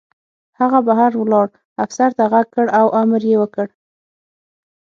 هغه بهر ولاړ افسر ته غږ کړ او امر یې وکړ